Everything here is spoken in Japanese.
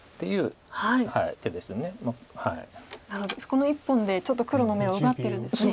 この１本でちょっと黒の眼を奪ってるんですね。